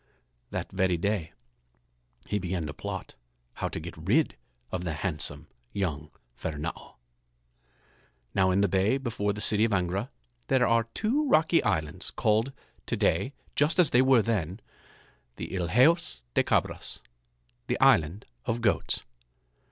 That very day he began to plot how to get rid of the handsome young Fernâo. Now in the bay before the city of Angra there are two rocky islands called to day just as they were then, the Ilheos de Cabras, the islands of goats.